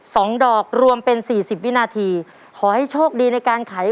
สองดอกรวมเป็นสี่สิบวินาทีขอให้โชคดีในการขาย